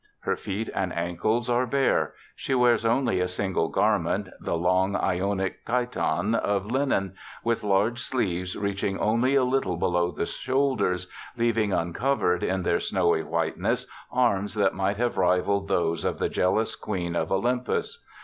Her feet and ankles are bare; she wears only a single garment — the long Ionic chiton of linen — with large sleeves reaching only a little below the shoulders, leaving uncovered, in their snowy whiteness, arms that might have rivalled those of the jealous queen of Olympus.